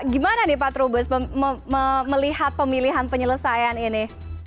gimana nih pak trubus melihat pemilihan penyelesaian ini